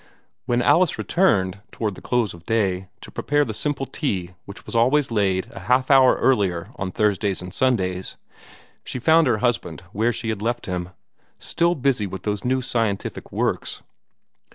When Alice returned toward the close of day, to prepare the simple tea which was always laid a half hour earlier on Thursdays and Sundays, she found her husband where she had left him, still busy with those new scientific works.